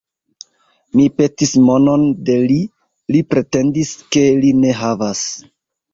Mi petis monon de li; li pretendis, ke li ne havas.